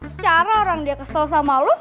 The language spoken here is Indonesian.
secara orang dia kesel sama lu